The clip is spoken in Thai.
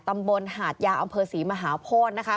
ตำบลหาดยาอำเภอศรีมหาโพธินะคะ